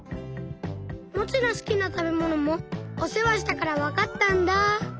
モチのすきなたべものもおせわしたからわかったんだ。